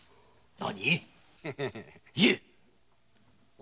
何？